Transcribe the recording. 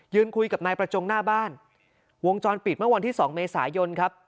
คุยกับนายประจงหน้าบ้านวงจรปิดเมื่อวันที่สองเมษายนครับ